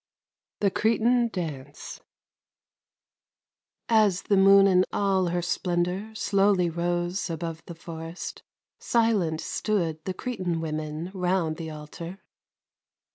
THE CRETAN DANCE As the moon in all her splendor Slowly rose above the forest, Silent stood the Cretan women Round the altar.